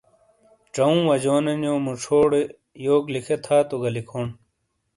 ژاؤں واجیونو جو موچھوڑے یوک لکھے تھا تو گا لیکھون